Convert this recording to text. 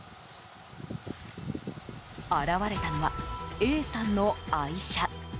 現れたのは、Ａさんの愛車。